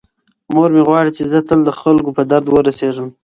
مور مې غواړي چې زه تل د خلکو په درد ورسیږم.